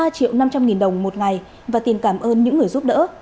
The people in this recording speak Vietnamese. ba triệu năm trăm linh nghìn đồng một ngày và tiền cảm ơn những người giúp đỡ